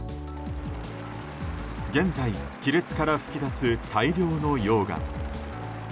現在、亀裂から噴き出す大量の溶岩。